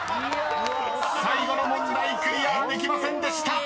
［最後の問題クリアできませんでした］